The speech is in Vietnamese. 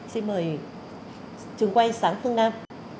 xin mời trường quay sáng phương nam